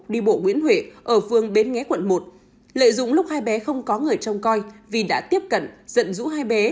đi bộ nguyễn huệ ở phương bến nghé quận một lợi dụng lúc hai bé không có người trong coi vy đã tiếp cận dẫn dũ hai bé